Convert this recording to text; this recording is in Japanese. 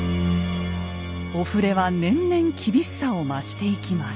お触れは年々厳しさを増していきます。